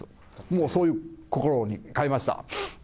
もうそういう心に変えました。